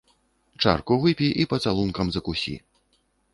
Чарку выпі і пацалункам закусі.